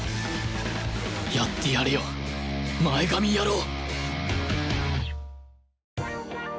やってやるよ前髪野郎！